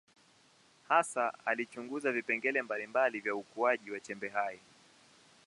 Hasa alichunguza vipengele mbalimbali vya ukuaji wa chembe hai.